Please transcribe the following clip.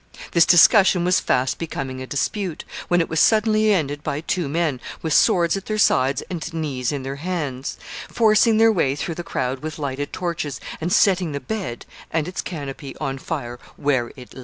This discussion was fast becoming a dispute, when it was suddenly ended by two men, with swords at their sides and knees in their hands, forcing their way through the crowd with lighted torches, and setting the bed and its canopy on fire where it lay.